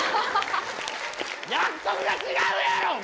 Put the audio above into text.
約束が違うやろお前！